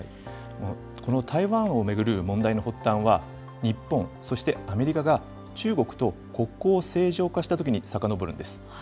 この台湾を巡る問題の発端は、日本、そしてアメリカが中国と国交を正常化したときにさかのぼるんです。